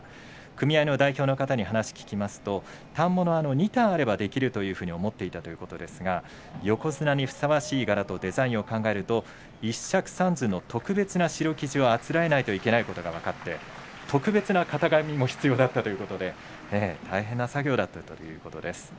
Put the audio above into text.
組合の代表の方に話を聞きますと反物は２反あればできると思っていたそうですが横綱にふさわしい柄とデザインを考えると、１尺３寸の特別な白生地をあつらえないといけないことが分かって特別な型紙も必要だったということで、大変な作業だったということです。